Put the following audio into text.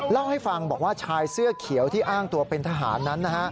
เล่าให้ฟังบอกว่าชายเสื้อเขียวที่อ้างตัวเป็นทหารนั้น